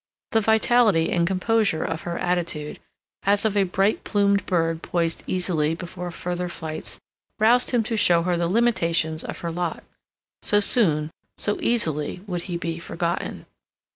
The vitality and composure of her attitude, as of a bright plumed bird poised easily before further flights, roused him to show her the limitations of her lot. So soon, so easily, would he be forgotten.